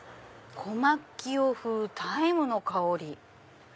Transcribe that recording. コマッキオ風タイムの香り」。